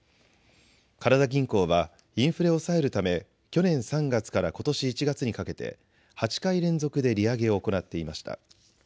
カナダ銀行はインフレを抑えるため去年３月からことし１月にかけて８回連続で利上げを行っていました。